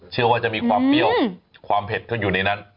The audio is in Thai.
เชื่อว่าจะมีความเปรี้ยวความเผ็ดก็อยู่ในนั้น